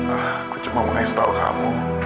aku cuma mau install kamu